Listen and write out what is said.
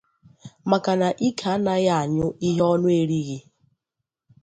maka na ike anaghị anyụ ihe ọnụ erighị